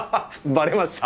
バレました？